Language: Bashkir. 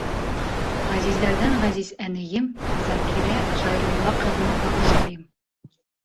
Ғәзиздәрҙән-ғәзиз әнейем Закирә Хәйрулла ҡыҙына бағышлайым